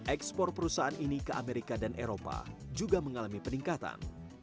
ekspor perusahaan ini ke amerika dan eropa juga mengalami peningkatan